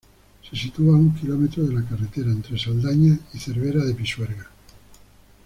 Se sitúa a un kilómetro de la carretera entre Saldaña y Cervera de Pisuerga.